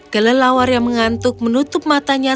kelelawar yang mengantuk menutup matanya